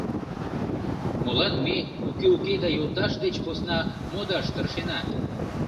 Молан ме уке-уке да йолташ деч посна «модаш» тыршена?